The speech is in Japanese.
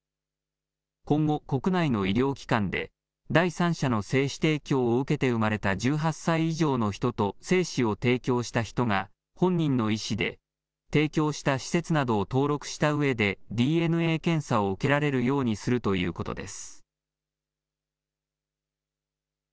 今後、国内の医療機関で第三者の精子提供を受けて生まれた１８歳以上の人と精子を提供した人が、本人の意思で提供した施設などを登録したうえでＤＮＡ検査を受けられるようにするということです。